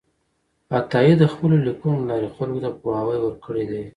عطایي د خپلو لیکنو له لارې خلکو ته پوهاوی ورکړی دی.